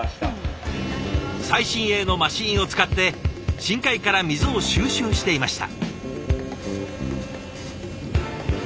最新鋭のマシーンを使って深海から水を収集していました。